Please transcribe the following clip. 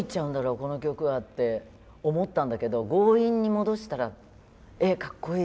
この曲は？って思ったんだけど強引に戻したらえっカッコいい！